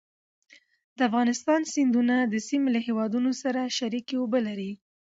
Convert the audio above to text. د افغانستان سیندونه د سیمې له هېوادونو سره شریکې اوبه لري.